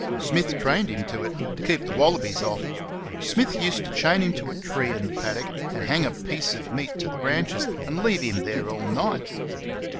Smith trained him to it to keep the wallabies off. Smith used to chain him to a tree in the paddock and hang a piece of meat to the branches, and leave him there all night.